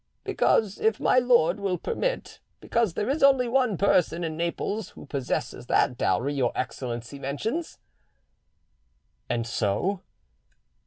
"Because, if my lord will permit, because there is only one person in Naples who possesses that dowry your Excellency mentions." "And so?"